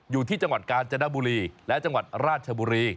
อยู่ที่จังหวัดกาญจนบุรีและจังหวัดราชบุรี